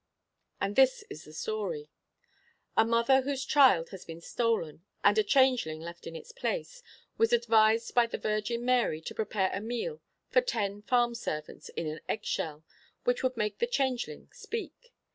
And this is the story: A mother whose child had been stolen, and a changeling left in its place, was advised by the Virgin Mary to prepare a meal for ten farm servants in an egg shell, which would make the changeling speak.